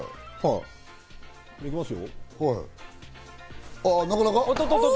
行きますよ。